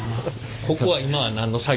ここは今は何の作業ですか？